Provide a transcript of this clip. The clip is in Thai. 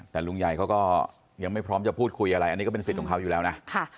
แต่ลุงใหญ่เขาก็ยังไม่พร้อมจะพูดคุยอะไรอันนี้ก็เป็นสิทธิ์ของเขาอยู่แล้วนะ